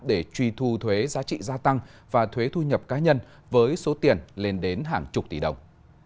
để truy thu thuế giá trị gia tăng và thuế thu nhập cá nhân với số tiền lên đến hàng chục tỷ đồng